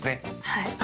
はい。